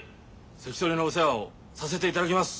関取のお世話をさせていただきます。